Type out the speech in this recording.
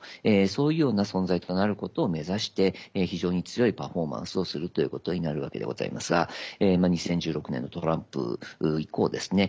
そういうような存在となることを目指して非常に強いパフォーマンスをするということになるわけでございますが２０１６年のトランプ以降ですね